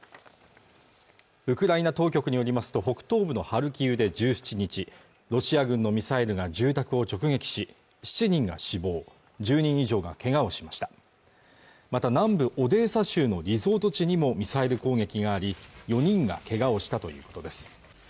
ウクライナ当局によりますと北東部のハルキウで１７日ロシア軍のミサイルが住宅を直撃し７人が死亡１０人以上がけがをしましたまた南部オデーサ州のリゾート地にもミサイル攻撃があり４人がけがをしたということです